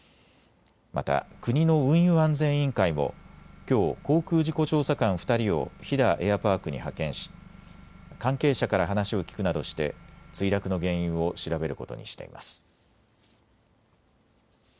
また国の運輸安全委員会もきょう航空事故調査官２人を飛騨エアパークに派遣し関係者から話を聞くなどして墜落の原因を調べることにしています。